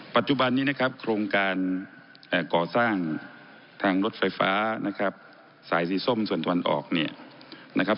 ปัจจุบันนี้นะครับโครงการก่อสร้างทางรถไฟฟ้านะครับสายสีส้มส่วนตะวันออกเนี่ยนะครับ